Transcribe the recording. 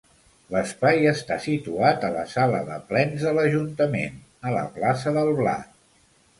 L'espai està situat a la sala de plens de l'Ajuntament, a la plaça del Blat.